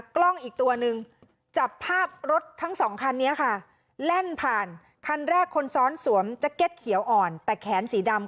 กล้องอีกตัวนึงจับภาพรถทั้งสองคันนี้ค่ะแล่นผ่านคันแรกคนซ้อนสวมแจ็คเก็ตเขียวอ่อนแต่แขนสีดำ